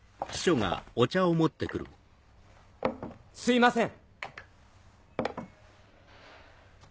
すいません。